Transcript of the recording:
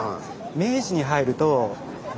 明治に入ると。